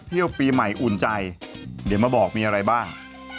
เที่ยวปีใหม่อุ่นใจเดี๋ยวมาบอกมีอะไรบ้าง